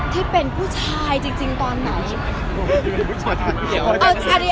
ที่พูดจริงคือ